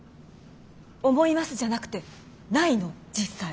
「思います」じゃなくてないの実際。